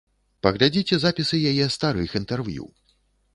Паглядзіце запісы яе старых інтэрв'ю.